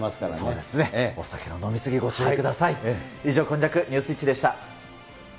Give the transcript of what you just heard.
そうですね、お酒の飲み過ぎ、ご注意ください。